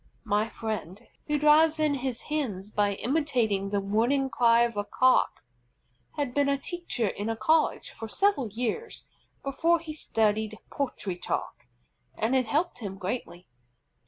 My friend, who drives in his Hens by imitating the warning cry of a Cock, had been a teacher in a college for several years before he studied poultry talk, and it helped him greatly.